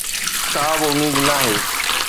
ڪا به اميد ناهي